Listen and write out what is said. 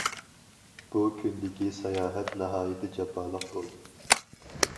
بۇ كۈندىكى ساياھەت ناھايىتى جاپالىق بولدى.